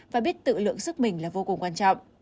và biết tự lượng sức mình là vô cùng quan trọng